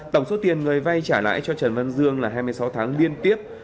tổng số tiền người vay trả lãi cho trần văn dương là hai mươi sáu tháng liên tiếp